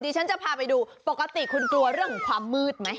เดี๋ยวฉันจะพาไปดูปกติคุณกลัวเรื่องความมืดไหม